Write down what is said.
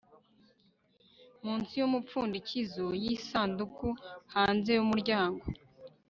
munsi yumupfundikizo yisanduku - hanze yumuryango